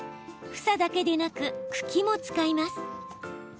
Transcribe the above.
房だけでなく茎も使います。